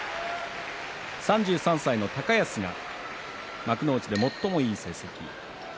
３３歳の高安が幕内で最もいい成績。